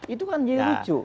itu kan jadi lucu